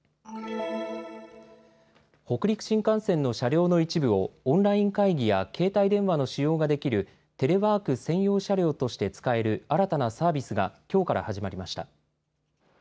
北陸新幹線の車両の一部をオンライン会議や携帯電話の使用ができるテレワーク専用車両として使える新たなサービスがきょうから始まりました。